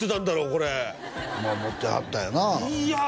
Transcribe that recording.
これまあ持ってはったんよないや！